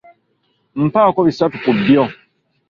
Mpaako bisatu ku byo.